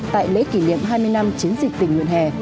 tại lễ kỷ niệm hai mươi năm chiến dịch tình nguyện hè